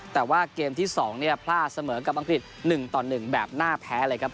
แต่ว่าเกมที่๒เนี่ยพลาดเสมอกับอังกฤษ๑ต่อ๑แบบน่าแพ้เลยครับ